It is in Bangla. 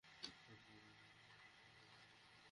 মনে হচ্ছে, ওটার কিছু অংশ ফোকর গলে বেরিয়ে গেছে।